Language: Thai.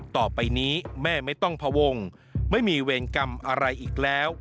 ต่อไปนี้แม่ไม่ต้องพวงไม่มีเวรกรรมอะไรอีกแล้ว